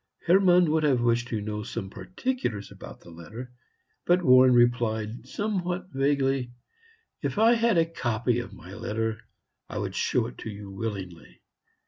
Hermann would have wished to know some particulars about this letter; but Warren replied, somewhat vaguely, "If I had a copy of my letter, I would show it to you willingly.